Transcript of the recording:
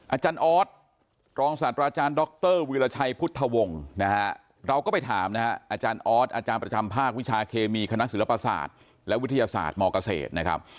อาจารย์ออสรองศาสตราจารย์ดรวิราชัยพุทธวงศ์นะฮะเราก็ไปถามนะฮะอาจารย์ออสอาจารย์ประจำภาควิชาเคมีคณะศิลปศาสตร์และวิทยาศาสตร์มเกษตรนะครับ